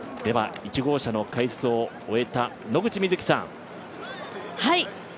１号車の解説を終えた野口みずきさん。